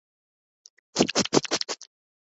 چیزوں کے منصوبے کے مطابق کرتا ہوں